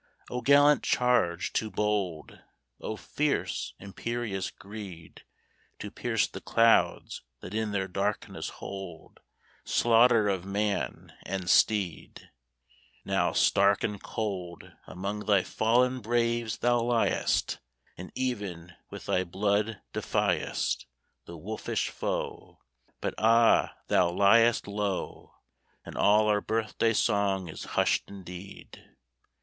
O gallant charge, too bold! O fierce, imperious greed To pierce the clouds that in their darkness hold Slaughter of man and steed! Now, stark and cold, Among thy fallen braves thou liest, And even with thy blood defiest The wolfish foe: But ah, thou liest low, And all our birthday song is hushed indeed!